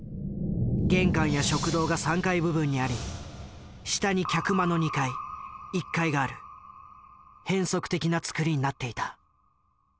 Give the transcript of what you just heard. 玄関や食堂が３階部分にあり下に客間の２階１階がある変則的な造りになっていた。